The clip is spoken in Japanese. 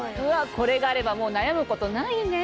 これがあればもう悩むことないね。